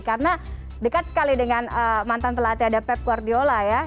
karena dekat sekali dengan mantan pelatih ada pep guardiola ya